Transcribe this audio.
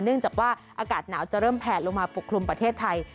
เนื่องจากว่าอากาศหนาวจะเริ่มแผ่ลงมาปกคลุมประเทศไทย